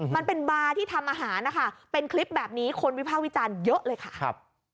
มันเป็นบาร์ที่ทำอาหารนะคะเป็นคลิปแบบนี้คนวิภาควิจารณ์เยอะเลยค่ะครับ